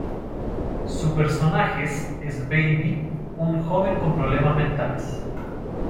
Su personajes es Baby, un joven con problemas mentales.